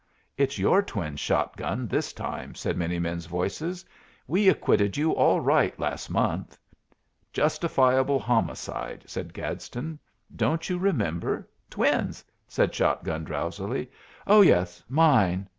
"It's your twins, Shot gun, this time," said many men's voices. "We acquitted you all right last month." "Justifiable homicide," said Gadsden. "Don't you remember?" "Twins?" said Shotgun, drowsily. "Oh yes, mine.